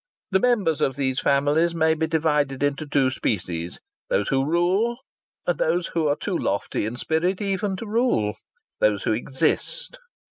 The members of these families may be divided into two species: those who rule, and those who are too lofty in spirit even to rule those who exist.